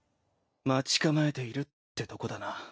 待ち構えているってとこだな。